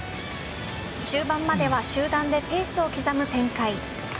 中盤までは集団でペースを刻む展開。